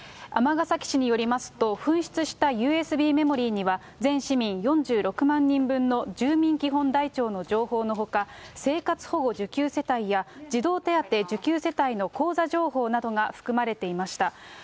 尼崎市によりますと、紛失したＵＳＢメモリには、全市民４６万人分の住民基本台帳の情報のほか、生活保護受給世帯や児童手当受給世帯の口座情報などが含まれていました。